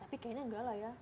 tapi kayaknya nggak lah ya